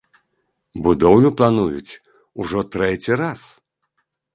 Будоўлю плануюць ужо трэці раз.